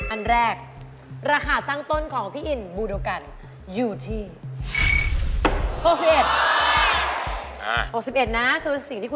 อันแรกราคาตั้งต้นของพี่อินบูโดกันอยู่ที่